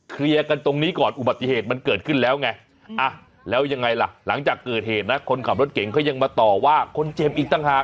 เคลียร์กันตรงนี้ก่อนอุบัติเหตุมันเกิดขึ้นแล้วไงแล้วยังไงล่ะหลังจากเกิดเหตุนะคนขับรถเก่งเขายังมาต่อว่าคนเจ็บอีกต่างหาก